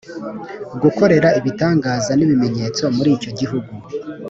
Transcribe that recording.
gukorera ibitangaza n’ibimenyetso muri icyo gihugu